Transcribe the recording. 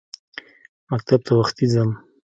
مکتب ته وختي ځم.